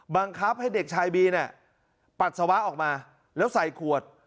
บังคับให้เด็กชายบีเนี่ยปัสสาวะออกมาแล้วใส่ขวด